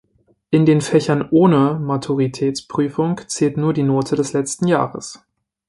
In den Fächern ohne Maturitätsprüfung zählt nur die Note des letzten Jahres.